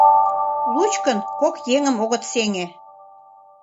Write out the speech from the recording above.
Лучкын кок еҥым огыт сеҥе!